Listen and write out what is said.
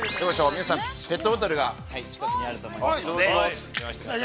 ◆皆さん、ペットボトルがあると思います。